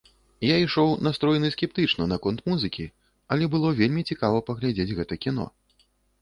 Я ішоў настроены скептычна наконт музыкі, але было вельмі цікава паглядзець гэта кіно.